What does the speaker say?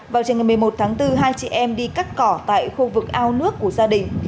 vào trường ngày một mươi một tháng bốn hai chị em đi cắt cỏ tại khu vực ao nước của gia đình